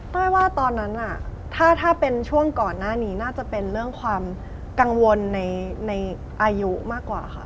้อยว่าตอนนั้นถ้าเป็นช่วงก่อนหน้านี้น่าจะเป็นเรื่องความกังวลในอายุมากกว่าค่ะ